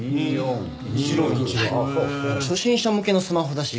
初心者向けのスマホだし